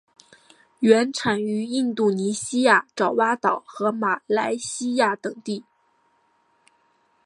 原产于印度尼西亚爪哇岛和马来西亚等地。